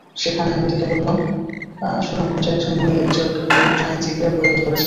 সেখানে আমি তাঁকে বললাম, সুনামগঞ্জের একজন মহিলা বিচারকের কোর্ট আইনজীবীরা বয়কট করছেন।